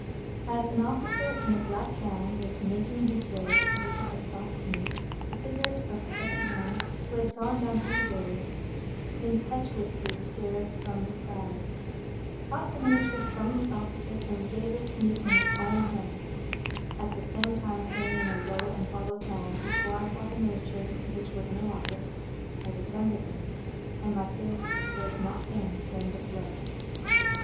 As an officer in a black gown was making his way with it across to me, the figure of the second man who had gone down Piccadilly impetuously started from the crowd, caught the miniature from the officer, and gave it to me with his own hands, at the same time saying, in a low and hollow tone,—before I saw the miniature, which was in a locket,—"I was younger then, and my face was not then drained of blood."